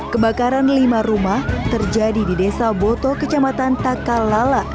kebakaran lima rumah terjadi di desa boto kecamatan takalala